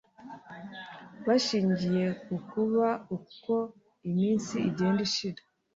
bashingiye ku kuba uko iminsi igenda ishira